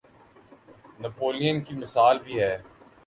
نپولین کی مثال بھی ہے۔